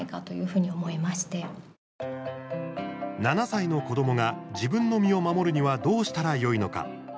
７歳の子どもが自分の身を守るにはどうしたらよいのか。